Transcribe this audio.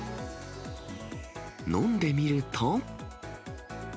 飲んでみると。